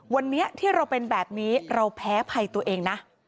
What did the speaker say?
วันนี้ที่เราเป็นแบบนี้เราแพ้ภัยตัวเองนะ